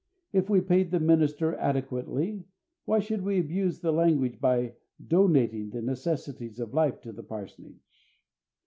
If we paid the minister adequately, why should we abuse the language by "donating" the necessaries of life to the parsonage?